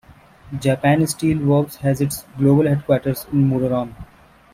Japan Steel Works has its global headquarters in Muroran.